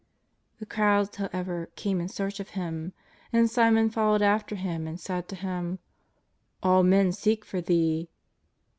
The crowds, however, came in search of Him. And Simon followed after Him and said to Him : "All men seek for Thee."